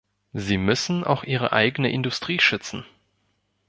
Sie müssen auch ihre eigene Industrie schützen.